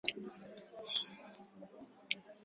Watu ishirini na nne wafariki katika mafuriko Uganda